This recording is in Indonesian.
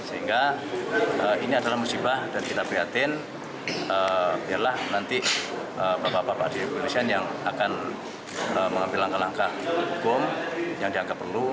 sehingga ini adalah musibah dan kita prihatin biarlah nanti bapak bapak di kepolisian yang akan mengambil langkah langkah hukum yang dianggap perlu